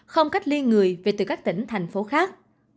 không cách ly người về từ các tỉnh thành phố khác